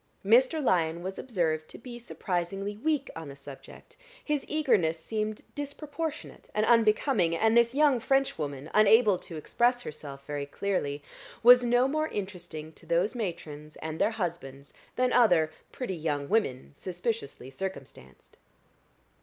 Mr. Lyon was observed to be surprisingly weak on the subject his eagerness seemed disproportionate and unbecoming; and this young Frenchwoman, unable to express herself very clearly, was no more interesting to those matrons and their husbands than other pretty young women suspiciously circumstanced.